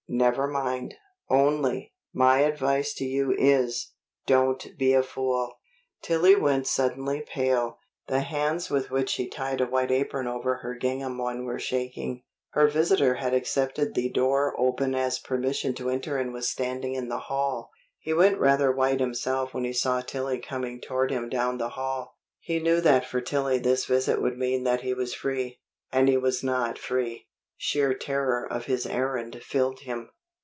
"Never mind. Only, my advice to you is, don't be a fool." Tillie went suddenly pale. The hands with which she tied a white apron over her gingham one were shaking. Her visitor had accepted the open door as permission to enter and was standing in the hall. He went rather white himself when he saw Tillie coming toward him down the hall. He knew that for Tillie this visit would mean that he was free and he was not free. Sheer terror of his errand filled him.